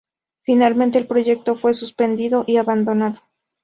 Finalmente el proyecto fue suspendido y abandonado.